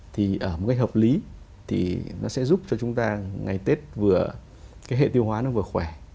thì ở một cách hợp lý thì nó sẽ giúp cho chúng ta ngày tết vừa cái hệ tiêu hóa nó vừa khỏe